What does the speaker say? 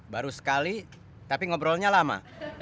baru sekali tapi ngobrolnya lama